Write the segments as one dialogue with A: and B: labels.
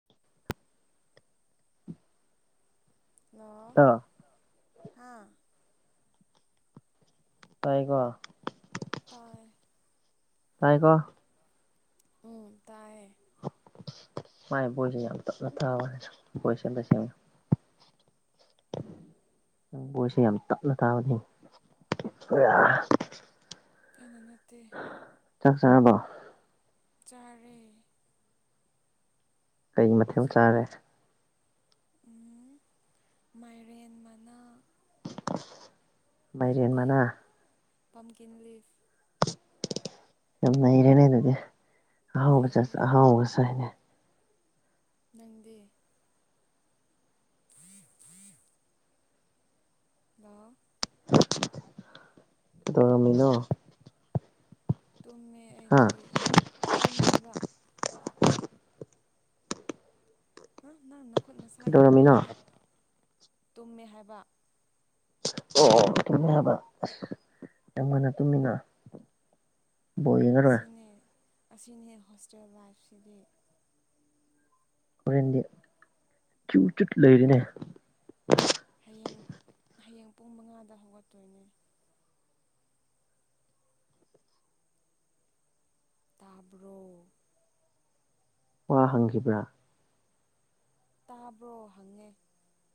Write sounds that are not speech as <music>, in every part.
A: <inaudible>
B: ꯅ
A: ꯇꯥ
B: ꯍꯥꯥ
A: ꯇꯥꯏꯀꯣ
B: ꯇꯔ
A: ꯇꯥꯏ ꯀꯣ
B: ꯎꯝ ꯇꯥꯏꯌꯦ
A: ꯃꯥꯏ ꯕꯣꯏꯁꯦ ꯌꯥꯝ ꯇꯞꯅ ꯊꯥꯕ ꯍꯥꯏ ꯕꯣꯏꯁꯦ ꯌꯥꯝ ꯇꯁꯦꯡꯅ ꯣꯏꯁꯦ ꯌꯥꯝ ꯇꯞꯅ ꯇꯥꯕꯅꯤ
B: ꯐꯩꯅ ꯅꯠꯇꯦ
A: ꯆꯥꯛ ꯆꯕꯣ
B: ꯆꯔꯦ
A: ꯀꯩ ꯃꯊꯦꯜ
B: ꯍꯧꯖꯤꯛ
A: ꯆꯥꯔꯦ
B: ꯃꯥꯏꯔꯦꯟ ꯃꯅꯥ
A: ꯃꯥꯏꯔꯦꯟ
B: ꯅꯪꯗꯤ
A: ꯃꯅꯥ
B: ꯄꯝꯀꯤꯟ ꯂꯤꯐ
A: ꯌꯥꯝꯅꯩꯔꯦꯅꯦ ꯑꯗꯨꯗꯤ ꯑꯍꯥꯎꯕ ꯆꯁ
B: ꯅꯩꯗꯦ
A: ꯑꯍꯥꯎꯕꯁ ꯍꯥꯏꯅꯦ
B: ꯅꯪꯗꯦ ꯂ
A: ꯗ ꯉꯝꯃꯤꯅꯣ
B: ꯇꯨꯝꯃꯦ
A: ꯍꯥ
B: ꯑꯩꯗꯤ ꯇꯨꯝꯃꯦꯕ ꯍꯥ ꯅꯪꯅ ꯈꯨꯠ ꯅꯁꯥ ꯌꯥꯝ
A: ꯀꯩꯗꯧꯔꯝꯃꯤꯅꯣ
B: ꯂꯦꯡꯉꯦ ꯇꯨꯝꯃꯦ ꯍꯥꯏꯕ
A: ꯑꯣ ꯑꯣ ꯇꯨꯝꯃꯦ ꯍꯥꯏꯕ ꯌꯥꯝ ꯉꯟꯅ ꯇꯨꯝꯃꯤꯟꯅ
B: ꯑꯁꯤꯅꯤ ꯑꯁꯤꯅꯤ ꯍꯣꯁꯇꯦꯜ ꯂꯥꯏꯐꯁꯤꯗꯤ
A: ꯍꯣꯔꯦꯟꯗꯤ ꯆꯨ ꯆꯨꯠ ꯂꯩꯔꯤꯅꯦ
B: ꯍꯌꯦꯡ ꯍꯌꯦꯡ ꯄꯨꯡ ꯃꯉꯥꯗ ꯍꯧꯒꯠꯇꯣꯏꯅꯦ ꯇꯥꯕ꯭ꯔꯣ
A: ꯋꯥ ꯍꯪꯈꯤꯕ꯭ꯔꯥ
B: ꯇꯥꯕ꯭ꯔꯣ ꯍꯪꯉꯦ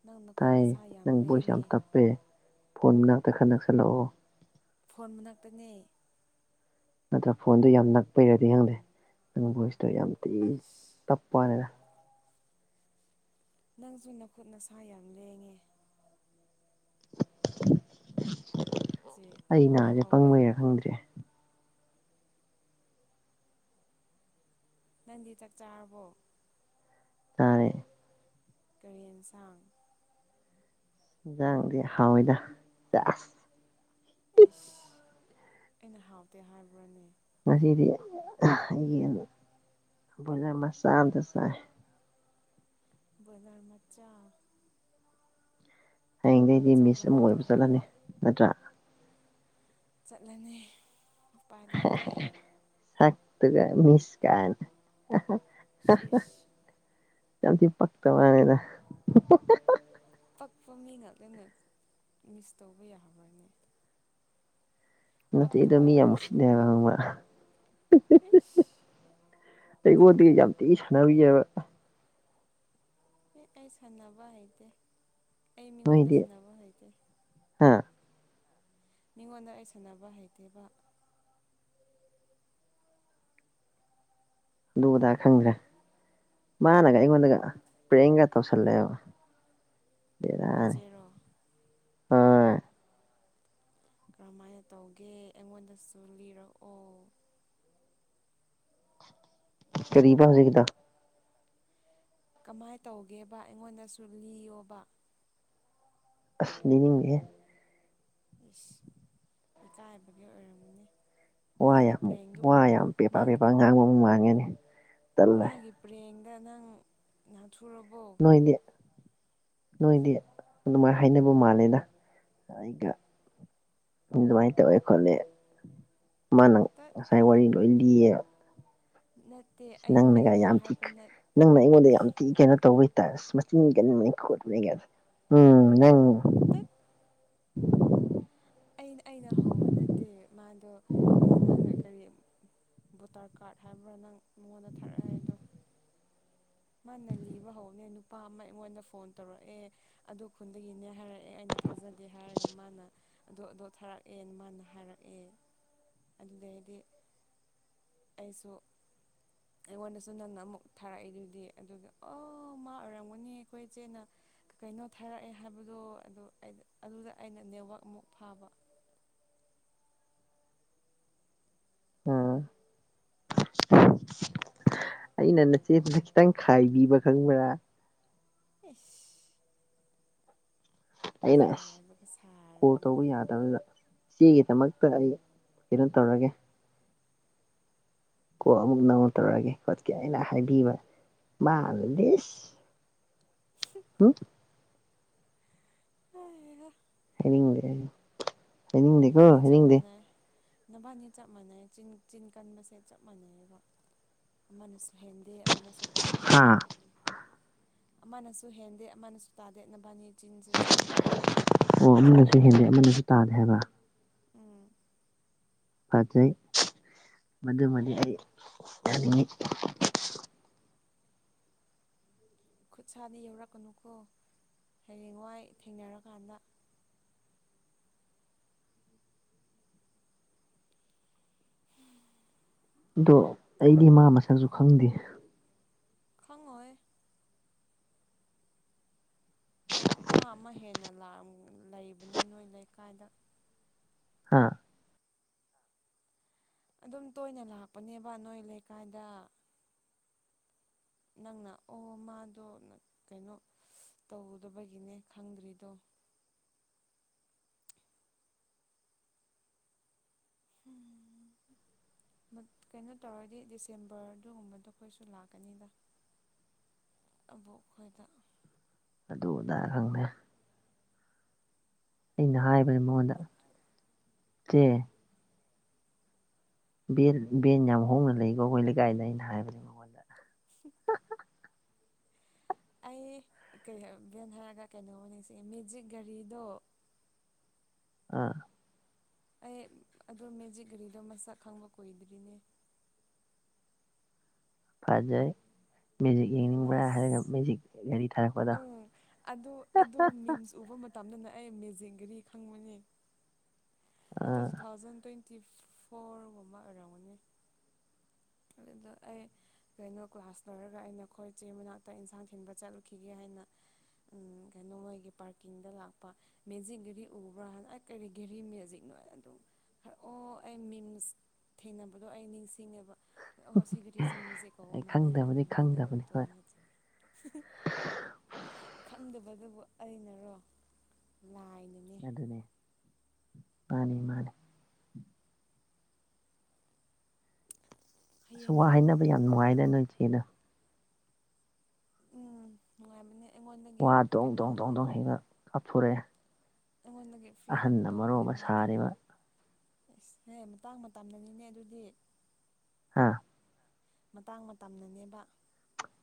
B: ꯅꯪꯅ ꯈꯨꯠ ꯅꯁꯥ ꯌꯥꯝ ꯂꯦꯡꯉꯦ
A: ꯄꯦ ꯐꯣꯟ ꯃꯅꯥꯛꯇ ꯈꯔ ꯅꯛꯁꯜꯂꯛꯑꯣ
B: ꯐꯣꯟ ꯃꯅꯥꯛꯇꯅꯦ
A: ꯅꯠꯇ꯭ꯔ ꯐꯣꯟꯗꯣ ꯌꯥꯝ ꯅꯛꯄꯩꯔꯗꯤ ꯈꯪꯗꯦ ꯅꯪ ꯚꯣꯏꯁꯇꯣ ꯌꯥꯝ ꯊꯤ
B: ꯑꯁ
A: ꯇꯞꯄꯅꯤꯅ
B: ꯅꯪꯁꯨ ꯅꯈꯨꯠ ꯅꯁꯥ ꯌꯥꯝ ꯂꯦꯡꯉꯦ ꯆꯦ
A: ꯑꯩ
B: ꯑꯃꯨꯛ
A: ꯅꯍꯁꯦ
B: ꯍꯧꯔꯦ
A: ꯄꯪꯕꯩꯔꯥ ꯈꯪꯗ꯭ꯔꯦ
B: ꯅꯪꯗꯤ ꯆꯥꯛ ꯆꯥꯔꯕꯣ
A: ꯇꯥꯔꯦ
B: ꯀꯔꯦꯟꯁꯥꯡ
A: ꯌꯦꯟꯁꯥꯡꯗꯤ ꯍꯥꯎꯋꯏꯗ ꯆꯥꯁ
B: ꯑꯦꯁ ꯑꯩꯅ ꯍꯥꯎꯇꯦ ꯍꯥꯏꯕ꯭ꯔꯥꯅꯦ
A: ꯉꯁꯤꯗꯤ ꯑꯩꯒꯤꯡ ꯕꯣꯏꯂꯔ ꯃꯆꯥ ꯑꯝꯇ ꯁꯥꯏ
B: ꯕꯅꯔ ꯃꯆꯥ
A: ꯍꯌꯦꯡꯗꯒꯤꯩꯗꯤ
B: ꯑꯆꯧꯕ
A: ꯃꯤꯁ ꯑꯃ ꯑꯣꯏꯕ
B: ꯅꯠꯇꯕ
A: ꯆꯠꯂꯅꯤ ꯅꯠꯇ꯭ꯔꯥ
B: ꯆꯠꯂꯅꯤ ꯎꯄꯥꯏ ꯂꯩꯇꯦ
A: ꯁꯨꯒ ꯃꯤꯁꯀꯅ
B: ꯁꯤꯁ
A: ꯆꯊ ꯄꯛꯇ ꯋꯥꯅꯦꯗ
B: ꯄꯛꯄ ꯃꯤ ꯉꯥꯛꯇꯅ ꯃꯤꯁ ꯇꯧꯕ ꯌꯥꯕ꯭ꯔꯥꯅꯦ
A: ꯅꯠꯇꯗꯣ ꯃꯤ ꯌꯥꯝ ꯃꯁꯤꯗ ꯍꯥꯏꯕ
B: ꯎ
A: ꯇꯉꯣꯗꯒꯤ ꯌꯥꯝ ꯊꯤꯅ ꯁꯥꯟꯅꯕꯤꯑꯕ
B: ꯍ ꯑꯩ ꯁꯥꯟꯅꯕ ꯍꯩꯇꯦ ꯑꯩ ꯃꯤꯉꯣꯟꯗ
A: ꯅꯣꯏꯗꯤ
B: ꯁꯅꯕ ꯍꯩꯇꯦ
A: ꯍꯥ
B: ꯃꯤꯉꯣꯟꯗ ꯑꯩ ꯁꯥꯟꯅꯕ ꯍꯩꯇꯦꯕ
A: ꯑꯗꯨ ꯑꯗꯥ
B: ꯇꯥꯕ꯭ꯔꯥ
A: ꯈꯪꯗ꯭ꯔꯦ ꯃꯥꯅꯒ ꯑꯩꯉꯣꯟꯗꯒ ꯄ꯭ꯔꯦꯌꯦꯡꯀ ꯇꯧꯁꯜꯂꯛꯑꯦꯕ
B: ꯈꯣꯏꯖꯦꯔꯣ
A: ꯍꯣꯏ
B: ꯀꯔꯝꯍꯥꯏꯅ ꯇꯧꯒꯦ ꯑꯩꯉꯣꯟꯗꯁꯨ ꯂꯤꯔꯛꯑꯣ
A: ꯀꯔꯤ ꯄꯁꯤꯦꯗ
B: ꯀꯃꯥꯏꯅ ꯇꯧꯒꯦꯕ ꯑꯩꯉꯣꯟꯗꯁꯨ ꯂꯤꯌꯣꯕ
A: ꯑꯁ ꯂꯩꯅꯤꯡꯉꯦ
B: ꯌꯦꯁ ꯏꯀꯥꯏꯕꯒꯤ ꯑꯣꯏꯔꯝꯃꯅꯦ
A: ꯋꯥ ꯌꯥꯝ ꯋꯥ ꯌꯥꯝ ꯄꯦꯄꯥ
B: ꯃꯥꯒꯤ
A: ꯄꯦꯄꯥ ꯉꯥꯡꯕ ꯑꯃꯨꯛ ꯃꯥꯡꯒꯅꯤ
B: ꯃꯥꯒꯤ ꯄ꯭ꯔꯦꯡꯗ ꯅꯪ ꯅꯥꯊꯨꯔꯕꯣ
A: ꯍꯅꯦ ꯅꯣꯏꯗꯤ ꯑꯗꯨꯃꯥꯏꯅ ꯍꯥꯏꯅꯕ ꯃꯥꯜꯂꯦꯅ ꯑꯩꯒ ꯑꯗꯨꯃꯥꯏꯅ ꯇꯧꯋꯦ ꯈꯣꯠꯂꯦ ꯃꯥꯅ
B: ꯇꯠ
A: ꯉꯁꯥꯏ ꯋꯥꯔꯤ ꯂꯣꯏ ꯂꯤꯌꯦꯕ
B: ꯅꯠꯇꯦ ꯑꯩ
A: ꯅꯪꯅꯒ
B: ꯑꯩꯅ
A: ꯌꯥꯝ ꯊꯤ
B: ꯍꯥꯏꯕ
A: ꯅꯪꯅ ꯑꯩꯉꯣꯟꯗ ꯌꯥꯝ ꯊꯤ ꯀꯩꯅꯣ ꯇꯧꯕꯩꯇꯥꯔꯦ ꯃꯆꯤꯟ ꯀꯟꯕꯅꯤ ꯈꯣꯠꯄꯅꯤ ꯎꯝ ꯅꯪ
B: ꯄꯦꯛꯠ ꯑꯩꯅ ꯑꯩꯅ ꯍꯧꯕ ꯅꯠꯇꯦ ꯃꯥꯗꯣ ꯅꯪꯅ ꯀꯔꯤ ꯚꯣꯇꯔ ꯀꯥꯔꯠ ꯍꯥꯏꯕ꯭ꯔꯥ ꯅꯪ ꯃꯉꯣꯟꯗ ꯊꯥꯔꯛꯑꯦꯗꯣ ꯃꯥꯅ ꯂꯤꯕ ꯍꯧꯅꯦ ꯅꯨꯄꯥ ꯑꯃ ꯑꯩꯉꯣꯟꯗ ꯐꯣꯟ ꯇꯧꯔꯛꯑꯦ ꯑꯗꯨ ꯈꯨꯟꯗꯒꯤꯅꯦ ꯍꯥꯏꯔꯛꯑꯦ ꯑꯩꯅ ꯊꯥꯖꯗꯦ ꯍꯥꯏꯔꯒ ꯃꯥꯅ ꯑꯗꯣ ꯊꯥꯔꯛꯑꯦꯅ ꯃꯥꯅ ꯍꯥꯏꯔꯛꯑꯦ ꯑꯗꯨꯗꯩꯗꯤ ꯑꯩꯁꯨ ꯑꯩꯉꯣꯟꯗꯁꯨ ꯅꯪꯟꯅ ꯑꯃꯨꯛ ꯊꯥꯔꯛꯏꯗꯨ ꯗꯤ ꯑꯗꯨꯒ ꯑꯣ ꯃꯥ ꯑꯣꯏꯔꯝꯒꯅꯤ ꯑꯩꯈꯣꯏ ꯏꯆꯦꯅ ꯀꯩꯅꯣ ꯊꯥꯔꯛꯑꯦ ꯍꯥꯏꯕꯗꯣ ꯑꯗꯨ ꯑꯗꯨꯗ ꯑꯩꯅ ꯅꯦꯠꯋꯥꯛꯃꯨꯛ ꯐꯥꯕ
A: ꯎꯝ ꯑꯩꯅ ꯅꯆꯦꯗꯨꯗ ꯈꯤꯇꯪ ꯈꯥꯏꯕꯤꯕ ꯈꯪꯕ꯭ꯔꯥ
B: ꯏꯁ
A: ꯑꯩꯅ ꯑꯁ
B: ꯈꯥꯏꯕꯒ
A: ꯀ
B: ꯁꯥꯔꯗꯅ
A: ꯇꯧꯕ ꯌꯥꯔ ꯗ ꯆꯦꯒꯤꯗꯃꯛꯇ ꯑꯩ ꯀꯩꯅꯣ ꯇꯧꯔꯒꯦ ꯀꯣ ꯑꯃꯨꯛ ꯅꯧ ꯇꯧꯔꯛꯑꯒꯦ ꯈꯣꯠꯀꯦ ꯑꯩꯅ ꯍꯥꯏꯕꯤꯕ ꯃꯥ ꯑꯗꯨ ꯂꯤꯁ
B: ꯁꯤ
A: ꯍꯨꯝ
B: ꯍꯩꯍꯥ
A: ꯍꯥꯏꯅꯤꯡꯗꯦ ꯍꯥꯏꯅꯤꯡꯡꯗꯦ ꯀꯣ ꯍꯥꯏꯅꯤꯡꯗꯦ
B: ꯅꯚꯅꯤ ꯆꯞ ꯃꯥꯟꯅꯩ ꯆ ꯆꯤꯟ ꯀꯟꯕꯁꯦ ꯆꯞ ꯃꯥꯟꯅꯩꯑꯕ ꯑꯃꯅꯁꯨ ꯍꯦꯟꯗꯦ ꯑꯃꯅꯁꯨ ꯇꯥꯗꯦ
A: ꯍꯥ
B: ꯑꯃꯅꯁꯨ ꯍꯦꯟꯗꯦ ꯑꯃꯅꯁꯨ ꯇꯥꯗꯦ ꯅꯚꯅꯤ ꯆꯤꯟꯁꯦ ꯆꯞ ꯃꯥꯟꯅꯩꯑꯕ
A: ꯑꯣ ꯑꯃꯅꯁꯨ ꯍꯦꯟꯗꯦ ꯑꯃꯅꯁꯨ ꯇꯥꯗꯦ ꯍꯥꯏꯕ
B: ꯎꯝ
A: ꯐꯖꯩ ꯃꯗꯨꯃꯗꯤ ꯑꯩ ꯌꯥꯅꯤꯡꯉꯤ
B: ꯈꯨꯠ ꯁꯥꯥꯗ ꯌꯧꯔꯛꯀꯅꯨꯀꯣ ꯍꯌꯦꯡꯋꯥꯏ ꯊꯦꯡꯅꯔꯀꯥꯟꯗ ꯍꯨꯝ
A: ꯑꯗꯣ ꯑꯩꯗꯤ ꯃꯥ ꯃꯁꯛꯁꯨ ꯈꯪꯗꯦ
B: ꯈꯪꯉꯣꯏ ꯍꯞꯇꯥ ꯑꯃ ꯍꯦꯟꯅ ꯂꯩꯕꯅꯤ ꯅꯣꯏ ꯂꯩꯀꯥꯏꯗ
A: ꯍꯥꯥ
B: ꯑꯗꯨꯝ ꯇꯣꯏꯅ ꯂꯥꯛꯄꯅꯦꯕ ꯅꯣꯏ ꯂꯩꯀꯥꯏꯗ ꯅꯪꯅ ꯑꯣ ꯃꯥꯗꯣ ꯀꯩꯅꯣ ꯇꯧꯗꯕꯒꯤꯅꯦ ꯈꯪꯗ꯭ꯔꯤꯗꯣ ꯎꯝꯝ ꯀꯩꯅꯣ ꯇꯧꯔꯗꯤ ꯗꯤꯁꯦꯝꯕꯔꯗꯨꯒꯨꯝꯕꯗꯣ ꯑꯩꯈꯣꯏꯁꯨ ꯂꯥꯛꯀꯅꯤꯗ ꯑꯕꯣꯛ ꯈꯣꯏꯗ
A: ꯑꯗꯨ ꯑꯗꯥ ꯈꯪꯗꯦ ꯑꯩꯅ ꯍꯥꯏꯕꯅꯦ ꯃꯉꯣꯟꯗ ꯆꯦ ꯕꯦꯟ ꯕꯦꯟ ꯌꯥꯝ ꯍꯣꯡꯅ ꯂꯩꯀꯣ ꯑꯩꯈꯣꯏ ꯂꯩꯀꯥꯏꯗ ꯑꯩꯅ ꯍꯥꯏꯕꯅꯦꯀꯣ
B: ꯁꯤ <inaudible> ꯑꯩ ꯀ ꯚꯦꯟ ꯍꯥꯏꯔꯒ ꯀꯩꯅꯣ ꯑꯣꯏꯅ ꯅꯤꯡꯁꯤꯡꯉꯦ ꯃꯦꯖꯤꯛ ꯒꯥꯔꯤꯗꯣ
A: ꯑꯥ
B: ꯑꯩ ꯑꯗꯨ ꯃꯦꯖꯤꯛ ꯘꯔꯤꯗꯣ ꯃꯁꯛ ꯈꯪꯕ ꯀꯨꯏꯗ꯭ꯔꯤꯅꯦ
A: ꯐꯖꯩ ꯃꯦꯖꯤꯛ ꯌꯦꯡꯅꯤꯡꯕ꯭ꯔꯥ ꯍꯥꯏꯔꯒ ꯃꯦꯖꯤꯛ ꯒꯥꯔꯤ ꯊꯥꯔꯛꯄꯗꯣ
B: ꯎꯪ ꯑꯗꯨ ꯑꯗꯣ ꯃꯤꯝꯁ ꯎꯕ ꯃꯇꯝꯗꯅꯦ ꯑꯩ ꯃꯦꯖꯤꯡꯒꯔꯤ ꯈꯪꯕꯅꯤ ꯑꯗꯨ
A: ꯑꯥ
B: ꯇꯨ ꯊꯥꯎꯖꯟ ꯇ꯭ꯋꯦꯟꯇꯤ ꯐꯣꯔꯒꯨꯝꯕ ꯑꯣꯏꯔꯝꯒꯅꯤ ꯑꯗꯨꯗ ꯑꯩ ꯀꯩꯅꯣ ꯀ꯭ꯂꯥꯁ ꯂꯣꯏꯔꯒ ꯑꯩꯅ ꯈꯣꯏ ꯏꯆꯦ ꯃꯅꯥꯛꯇ ꯏꯟꯁꯥꯡ ꯊꯤꯟꯕ ꯆꯠꯂꯨꯈꯤꯒꯦ ꯍꯥꯏꯅ ꯀꯩꯅꯣ ꯃꯣꯏꯒꯤ ꯄꯥꯔꯀꯤꯡꯗ ꯂꯥꯛꯄ ꯃꯦꯖꯤꯛ ꯒꯔꯤ ꯎꯕ꯭ꯔꯥꯅ ꯀꯔꯤ ꯘꯦꯔꯤ ꯃꯦꯖꯤꯛꯅꯣ ꯑꯗꯨꯝ ꯈꯔꯛꯑꯣ ꯑꯩ ꯃꯤꯝꯁ ꯊꯦꯡꯅꯕꯗꯣ ꯑꯩ ꯅꯤꯡꯁꯤꯡꯉꯦꯕ ꯑꯣ ꯁꯤ ꯒꯥꯔꯤꯁꯦꯃꯤꯁꯦ ꯀꯥꯎ
A: ꯑꯩ
B: ꯃꯥꯜꯂꯦ ꯍꯥꯏꯅ ꯑꯗꯨ
A: ꯈꯪꯗꯕꯗꯤ
B: ꯘꯔꯤꯗ ꯑꯗꯨꯝ
A: ꯈꯪꯗꯕꯅꯤ ꯍꯣꯏ
B: ꯇꯣꯡꯉꯒ ꯆꯠꯂꯦ ꯈꯪꯗꯕꯗꯨꯕꯨ ꯑꯩꯅꯔꯣ ꯂꯥꯏꯅꯅꯦ
A: ꯑꯗꯨꯅꯦ ꯃꯥꯅꯦ ꯃꯥꯅꯦ
B: ꯍꯌꯦꯡꯗꯤ
A: ꯋꯥ
B: ꯑꯗꯨꯝ
A: ꯍꯥꯏꯅꯕ ꯌꯥꯝ ꯅꯨꯡꯉꯥꯏꯔꯦ ꯅꯣꯏ ꯏꯆꯦꯗ
B: ꯎꯝ ꯅꯨꯡꯉꯥꯏꯕꯅꯦ ꯑꯩꯉꯣꯟꯗꯒꯤ
A: ꯋꯥ ꯗꯣꯡ
B: ꯀꯩꯅꯣ
A: ꯗꯣꯡ
B: ꯑꯗꯨꯝ
A: ꯗꯣꯡ ꯗꯣꯡ <inaudible>
B: ꯑꯩꯉꯣꯟꯗꯒꯤ ꯐꯤ ꯑꯗꯨꯝ
A: ꯑꯍꯟꯅ ꯃꯔꯣꯜ
B: ꯇꯧꯕꯅꯦ
A: ꯑꯃ
B: ꯃꯥꯗꯤ
A: ꯁꯥꯔꯤꯕ
B: ꯑꯁ ꯑꯦ ꯃꯇꯥꯡ ꯃꯇꯝꯗꯅꯤꯅꯦ ꯑꯗꯨꯗꯤ
A: ꯍꯥꯥ
B: ꯃꯇꯥꯡ ꯃꯇꯝꯅꯅꯦꯕ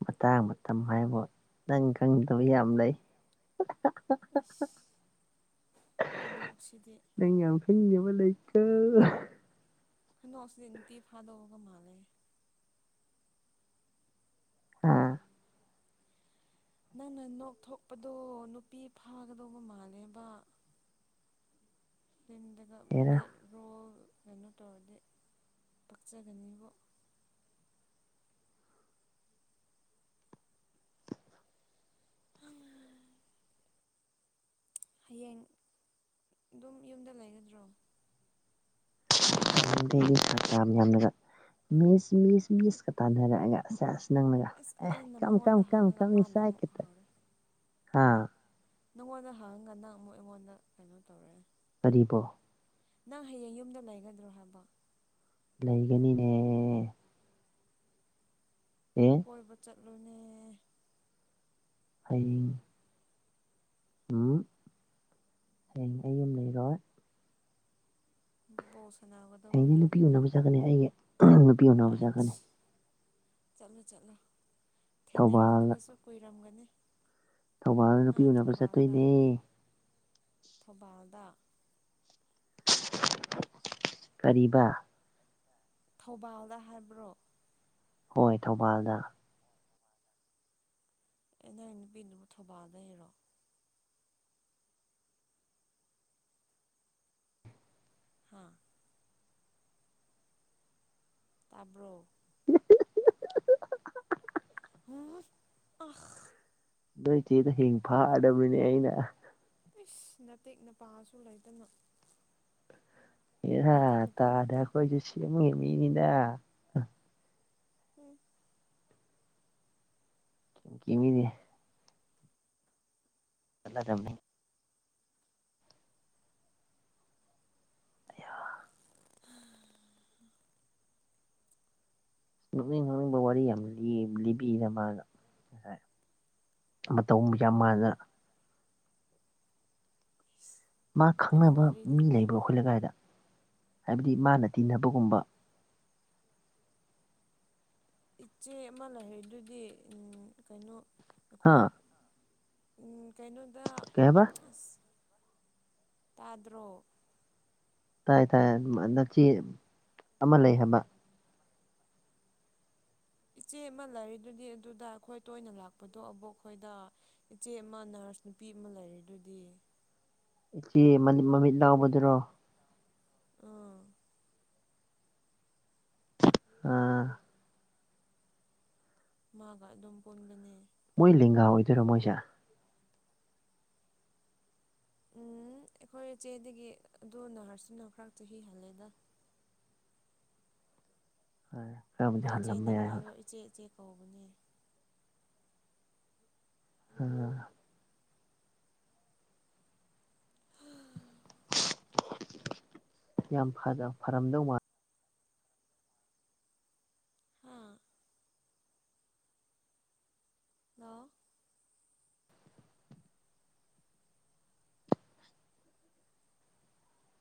A: ꯃꯇꯥꯡ ꯃꯇꯝ ꯍꯥꯏꯕ ꯅꯪ ꯈꯪꯗꯕ ꯌꯥꯝ ꯂꯩ
B: ꯑꯁ ꯈꯨꯗꯣꯛꯁꯤꯗꯤ
A: ꯅꯪ ꯌꯥꯝ ꯐꯦꯡꯖꯕ ꯂꯩꯀꯣ
B: ꯍꯟꯗꯣꯛꯁꯤꯗꯤ ꯅꯨꯄꯤ ꯐꯥꯗꯣꯛꯑꯒ ꯃꯥꯜꯂꯦ
A: ꯎꯝ
B: ꯅꯪꯅ ꯅꯣꯛꯊꯣꯛꯄꯗꯣ ꯅꯨꯄꯤ ꯐꯥꯒꯗꯧꯕ ꯃꯥꯜꯂꯦꯕ ꯐ꯭ꯝꯗꯒ
A: ꯍꯦꯔꯥ
B: ꯕꯦꯠ ꯔꯣꯜ ꯀꯩꯅꯣ ꯇꯧꯔꯗꯤ ꯄꯛꯆꯒꯅꯤꯕꯨ ꯑꯪ ꯍꯌꯦꯡ ꯑꯗꯨꯝ ꯌꯨꯝꯗ ꯂꯩꯒꯗ꯭ꯔꯣ
A: ꯌꯥꯝꯂꯒ <inaudible> ꯃꯤꯁ ꯃꯤꯁ ꯃꯤꯁꯀ ꯇꯥꯟꯅꯔꯛꯑꯒ
B: ꯑꯁ ꯑꯩꯅ ꯃꯉꯣꯟꯗ ꯍꯪꯉꯒ ꯃꯥꯅ ꯑꯃꯨꯛ
A: <inaudible>
B: ꯍꯧꯔꯦ ꯅꯪꯉꯣꯟꯗ ꯍꯪꯉꯒ ꯅꯪ ꯑꯃꯨꯛ ꯑꯩꯉꯣꯟꯗ ꯀꯩꯅꯣ ꯇꯧꯔꯦ
A: ꯇꯔꯤꯕꯣ
B: ꯅꯪ ꯍꯌꯦꯡ ꯌꯨꯝꯗ ꯂꯩꯒꯗ꯭ꯔꯣ ꯍꯥꯏꯕ
A: ꯂꯩꯒꯅꯤꯅ ꯎꯝ
B: ꯀꯣꯏꯕ ꯆꯠꯂꯨꯅꯦ
A: ꯑꯩ ꯎꯝ ꯍꯌꯦꯡ ꯑꯩ ꯑꯃ ꯂꯩꯔꯣꯏ
B: <inaudible> ꯁꯅꯥꯒꯗꯧꯕ
A: ꯍꯌꯦꯡꯗꯤ ꯅꯨꯄꯤ
B: ꯂꯩꯕ꯭ꯔꯣ
A: ꯎꯅꯕ ꯆꯠꯀꯅꯤ ꯑꯩꯒꯤ ꯅꯨꯄꯤ ꯎꯅꯕ ꯆꯠꯀꯅꯤ
B: ꯆꯠꯂꯣ ꯆꯠꯂꯨ
A: ꯊꯧꯕꯥꯜ
B: ꯊꯦꯡꯅꯔꯝꯗꯕꯁꯨ ꯀꯨꯏꯔꯝꯒꯅꯤ
A: ꯊꯧꯕꯥꯜ
B: ꯍꯥ
A: ꯅꯨꯄꯤ ꯎꯅꯕ
B: ꯊꯧꯕꯥꯜꯗ
A: ꯆꯠꯇꯣꯏꯅꯦ
B: ꯊꯧꯕꯥꯜꯗ
A: ꯀꯔꯤꯕ
B: ꯊꯧꯕꯥꯜꯗ ꯍꯥꯏꯕ꯭ꯔꯣ
A: ꯍꯣꯏ ꯊꯧꯕꯥꯜꯗ
B: ꯑꯩ ꯅꯪꯒꯤ ꯅꯨꯄꯤꯗꯨꯕꯨ ꯊꯧꯕꯥꯜꯗ ꯏꯔꯣ ꯍꯥꯥ ꯇꯥꯕ꯭ꯔꯣ ꯍꯣꯏ ꯑ
A: ꯅꯣꯏ ꯆꯦꯗ ꯍꯤꯡ ꯐꯥꯗꯕꯅꯦ ꯑꯩꯅ
B: ꯏꯁꯁ ꯅꯇꯦꯛ ꯅꯄꯥꯁꯨ ꯂꯩꯗꯅ
A: ꯏꯍꯥ
B: ꯅꯄꯥ
A: ꯇꯥꯗ
B: ꯅꯠꯇꯦ
A: ꯑꯩꯈꯣꯏꯁꯨꯦ ꯁꯦꯝꯉ ꯃꯤꯅꯤꯅ
B: ꯎꯝ
A: ꯃꯤꯗꯤ ꯆꯂ ꯇꯝꯅꯤ ꯅꯣꯛꯅꯤꯡ ꯍꯨꯅꯤꯡꯕ ꯋꯥꯔꯤ ꯌꯥꯝ ꯂꯤꯕꯤꯅ ꯃꯥꯅ ꯉꯁꯥꯏ ꯑꯃ ꯇꯧꯕ ꯌꯥꯝ ꯃꯥꯥꯟꯅ
B: ꯏꯁ
A: ꯃꯥ
B: ꯀꯔꯤ
A: ꯈꯪꯅꯕ
B: ꯋꯥꯔꯤ
A: ꯃꯤ ꯂꯩꯕꯣ
B: ꯂꯤꯕꯤꯕ
A: ꯑꯩꯈꯣꯏ ꯂꯩꯀꯥꯏꯗ ꯍꯥꯏꯕꯗꯤ ꯃꯥꯅ ꯇꯤꯟꯅꯕꯒꯨꯝꯕ
B: ꯏꯆꯦ ꯑꯃ ꯂꯩꯔꯤꯗꯨꯗꯤ ꯀꯩꯅꯣ
A: ꯍꯥ
B: ꯑꯩꯈꯣꯏ ꯎꯝ ꯀꯩꯅꯣꯗ
A: ꯀꯩ ꯍꯥꯏꯕ
B: ꯑꯁ ꯇꯥꯗ꯭ꯔꯣ
A: ꯇꯥꯏ ꯇꯥꯏꯅꯆꯦ ꯑꯃ ꯂꯩ ꯍꯥꯏꯕ
B: ꯏꯆꯦ ꯑꯃ ꯂꯩꯔꯤꯗꯨꯗꯤ ꯑꯗꯨꯗ ꯑꯩꯈꯣꯏ ꯇꯣꯏꯅ ꯂꯥꯛꯄꯗꯣ ꯑꯕꯨꯛ ꯑꯩꯈꯣꯏꯗ ꯏꯆꯦ ꯑꯃ ꯅꯔꯁ ꯅꯨꯄꯤ ꯑꯃ ꯂꯩꯔꯤꯗꯨꯗꯤ
A: ꯏꯆꯦꯃꯤ ꯃꯃꯤꯠ ꯂꯥꯎꯕꯗꯨꯔꯣ
B: ꯑꯥ
A: ꯎꯝ
B: ꯃꯥꯒ ꯑꯗꯨꯝ ꯄꯨꯟꯕꯅꯦ
A: ꯃꯣꯏ ꯂꯦꯡꯒꯥ ꯑꯣꯏꯗꯣꯏꯔꯣ ꯃꯣꯏꯁꯦ
B: ꯎꯝ ꯑꯩꯈꯣꯏ ꯏꯆꯦꯗꯒꯤ ꯑꯗꯨ ꯅꯍꯔꯁꯇ ꯅꯤꯅꯥ ꯆꯍꯤ ꯍꯜꯂꯦꯗ
A: ꯐꯩꯏ
B: ꯍꯣꯏ ꯏꯆꯦ ꯅ ꯃꯥꯜꯂꯣ ꯏꯆꯦ ꯏꯆꯦ ꯀꯧꯕꯅꯦ
A: ꯎꯝ
B: ꯎꯝ
A: ꯌꯥꯝ ꯐꯖꯥ ꯐꯔꯝꯗꯧ ꯃꯥꯜꯂꯦ
B: ꯍꯥꯥ ꯍꯦꯂꯣ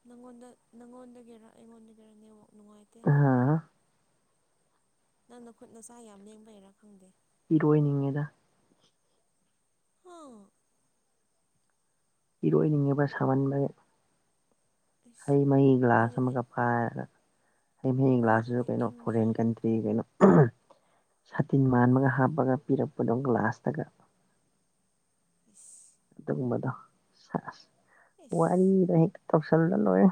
B: ꯅꯪꯉꯣꯟꯗ ꯅꯪꯉꯣꯟꯗꯒꯤꯔꯥ ꯑꯩꯉꯣꯟꯗꯗꯒꯤꯔ ꯅꯦꯋꯥꯛ ꯅꯨꯡꯉꯥꯏꯇꯦ
A: ꯍꯥꯝ
B: ꯅꯪꯅ ꯈꯨꯠ ꯅ ꯆꯥ ꯌꯥꯝ ꯂꯦꯡꯕꯩꯔꯥ ꯈꯪꯗꯦ
A: ꯏꯔꯣꯏꯅꯤꯡꯉꯤꯗ
B: ꯍꯥꯎ
A: ꯏꯔꯣꯏꯅꯤꯡꯉꯤꯕ ꯁꯥꯃꯟꯕ
B: ꯏꯁ
A: ꯍꯩ ꯃꯍꯤ ꯒ꯭ꯂꯥꯁ
B: ꯑꯩꯈꯣꯏꯗꯗꯤ
A: ꯑꯃꯒ ꯄꯥꯏꯔꯒ ꯍꯩ ꯃꯍꯤ ꯒ꯭ꯂꯥꯁꯁꯤꯁꯨ
B: ꯑꯩꯈꯣꯏꯗꯗꯤ
A: ꯀꯩꯅꯣ
B: ꯏꯪꯉꯦ
A: ꯐꯣꯔꯦꯟ ꯀꯟꯇ꯭ꯔꯤ ꯀꯩꯅꯣ ꯁꯥꯇꯤꯟ ꯃꯥꯟꯕꯒ ꯍꯥꯞꯄꯒ ꯄꯤꯔꯛꯄꯗꯣ ꯒ꯭ꯂꯥꯁꯇꯒ
B: ꯏꯁ
A: ꯑꯗꯨꯒꯨꯝꯕꯗꯣ ꯁꯥꯁ
B: ꯏꯁ
A: ꯋꯥꯔꯤꯗꯣ ꯍꯦꯛꯇ ꯇꯧꯁꯜꯂꯂ ꯂꯣꯏꯔ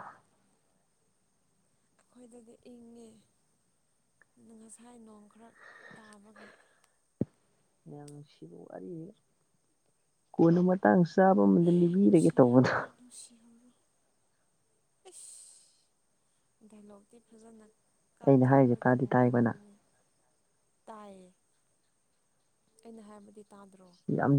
B: ꯑꯩꯈꯣꯏꯗꯗꯤ ꯏꯪꯉꯦ ꯉꯁꯥꯏ ꯅꯣꯡ ꯈꯔ ꯇꯥꯕꯒꯤ
A: ꯁꯤꯕꯧ ꯋꯥꯔꯤꯔꯤ ꯀꯣꯟꯅ ꯃꯇꯥꯡ ꯆꯥꯕ ꯑꯃꯗ ꯂꯤꯕꯤꯔꯒꯦ ꯇꯧꯕꯗꯣ
B: ꯅꯨꯡꯁꯤꯍꯔꯣ ꯑꯁ ꯗꯥꯏꯂꯣꯛꯇꯤ ꯐꯖꯅ
A: ꯑꯩꯅ ꯍꯥꯏꯔꯤꯁꯦ
B: ꯀꯥꯞꯊꯕꯒꯤ
A: ꯇꯥꯗꯤ ꯇꯥꯏꯀꯣ ꯅꯪ
B: ꯃꯑꯣꯡꯗꯅꯤꯅꯦ ꯇꯥꯏꯌꯦ ꯑꯩꯅ ꯍꯥꯏꯃꯗꯤ ꯇꯥꯗ꯭ꯔꯣ
A: ꯌꯥꯝ